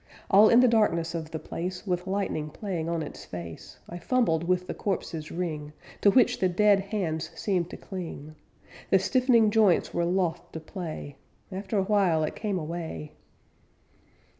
All in the darkness of the place With lightning playing on its face, I fumbled with the corpse's ring To which the dead hands seemed to cling; The stiffening joints were loth to play After awhile it came away!